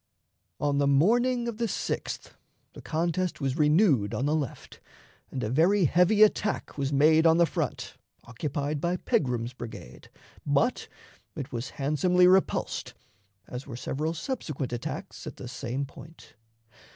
On the morning of the 6th the contest was renewed on the left, and a very heavy attack was made on the front, occupied by Pegram's brigade, but it was handsomely repulsed, as were several subsequent attacks at the same point.